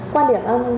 quan điểm ông